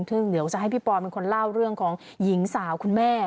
ซึ่งเดี๋ยวจะให้พี่ปอนเป็นคนเล่าเรื่องของหญิงสาวคุณแม่